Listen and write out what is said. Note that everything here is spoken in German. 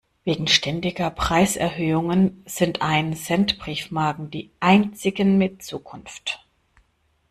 Wegen ständiger Preiserhöhungen sind Ein-Cent-Briefmarken die einzigen mit Zukunft.